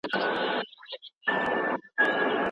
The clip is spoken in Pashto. کمپيوټر خدمت چټکوي.